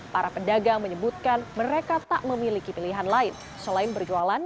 para pedagang menyebutkan mereka tak memiliki pilihan lain selain berjualan